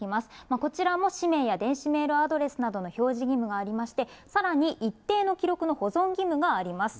こちらも氏名や電子メールアドレスなどの表示義務がありまして、さらに、一定の記録の保存義務があります。